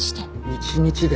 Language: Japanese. １日で。